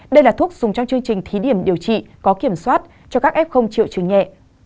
đây là thuốc dùng trong chương trình thí điểm điều trị có kiểm soát cho các f triệu chứng nhẹ